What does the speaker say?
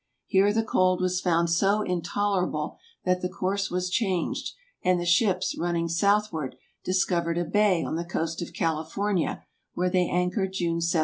Here the cold was found so intolerable that the course was changed and the ships, running southward, dis covered a bay on the coast of California, where they anchored June 17.